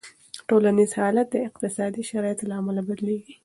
ټولنیز حالت د اقتصادي شرایطو له امله بدلېږي.